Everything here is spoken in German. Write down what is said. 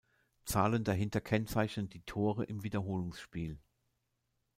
Zahlen dahinter kennzeichnen die Tore im Wiederholungsspiel.